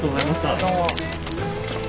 どうも。